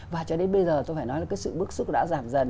và cho đến bây giờ tôi phải nói là cái sự bức xúc đã giảm dần